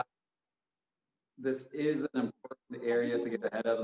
area yang penting untuk bergerak ke depan